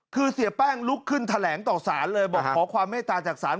คือเสียแป้งลุกขึ้นแถลงต่อสารเลยบอกขอความเมตตาจากศาล